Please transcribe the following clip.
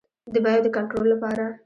د بیو د کنټرول لپاره.